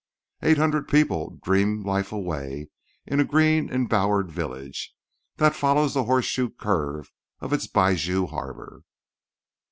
Eight hundred people dream life away in a green embowered village that follows the horseshoe curve of its bijou harbour.